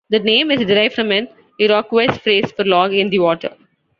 The name is derived from an Iroquois phrase for log in the water.